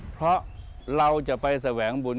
เพราะเราจะไปแสวงบุญ